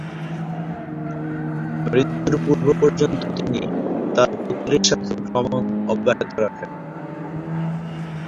মৃত্যুর পূর্ব পর্যন্ত তিনি তাঁর পুত্রের সাথে ভ্রমণ অব্যাহত রাখেন।